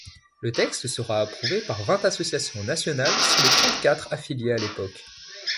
Le texte sera approuvé par vingt associations nationales sur les trente-quatre affiliées à l’époque.